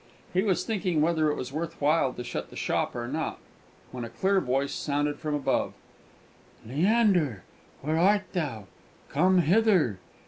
He was thinking whether it was worth while to shut the shop up or not; when a clear voice sounded from above "Leander, where art thou? Come hither!"